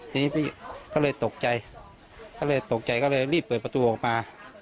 ทีนี้พี่ก็เลยตกใจก็เลยตกใจก็เลยรีบเปิดประตูออกมา